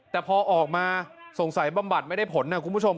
แต่พอออกมาสงสัยบำบัดไม่ได้ผลนะคุณผู้ชม